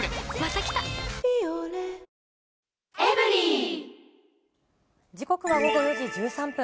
「ビオレ」時刻は午後４時１３分。